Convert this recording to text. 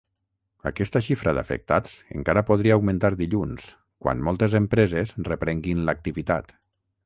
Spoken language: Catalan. Aquesta xifra d’afectats encara podria augmentar dilluns, quan moltes empreses reprenguin l’activitat.